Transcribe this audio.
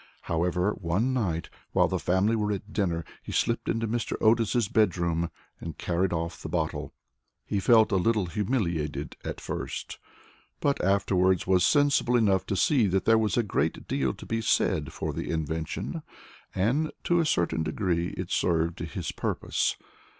However, one night, while the family were at dinner, he slipped into Mr. Otis's bedroom and carried off the bottle. He felt a little humiliated at first, but afterwards was sensible enough to see that there was a great deal to be said for the invention, and, to a certain degree, it served his purpose.